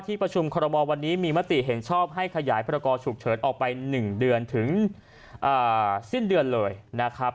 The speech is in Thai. ประชุมคอรมอลวันนี้มีมติเห็นชอบให้ขยายพรกรฉุกเฉินออกไป๑เดือนถึงสิ้นเดือนเลยนะครับ